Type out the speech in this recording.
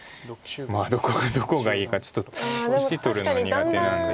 まあどこがいいかちょっと石取るの苦手なんで。